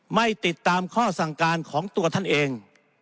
ไม่ติดตามข้อสั่งการของตัวท่านเอง